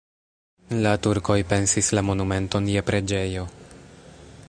La turkoj pensis la monumenton je preĝejo.